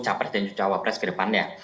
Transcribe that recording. capres dan jucawapres kedepannya